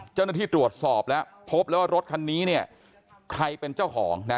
เจ้าหน้าที่ตรวจสอบแล้วพบแล้วว่ารถคันนี้เนี่ยใครเป็นเจ้าของนะ